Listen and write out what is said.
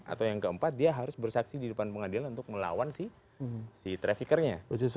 atau yang keempat dia harus bersaksi di depan pengadilan untuk melawan si traffickernya